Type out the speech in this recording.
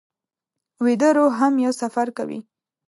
ویده روح هم یو سفر کوي